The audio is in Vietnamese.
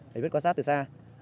phải biết quan sát từ xa